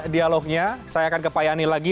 dialognya saya akan ke pak yani lagi